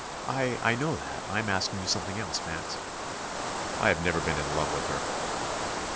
"I I know that. I am asking you something else, Max." "I have never been in love with her."